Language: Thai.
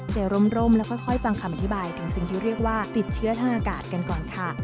เสรีอบรมแล้วก็ค่อยฟังคำบันที่บ่ายถึงที่เรียกว่าติดเชื้อทางอากาศกันก่อนค่ะ